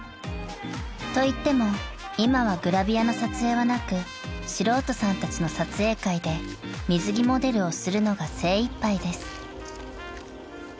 ［といっても今はグラビアの撮影はなく素人さんたちの撮影会で水着モデルをするのが精いっぱいです］